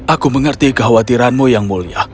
aku mengerti kekhawatiranmu yang mulia